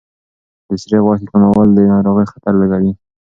د سرې غوښې کمول د ناروغۍ خطر لږوي.